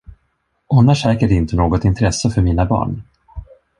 Hon har säkert inte något intresse för mina barn.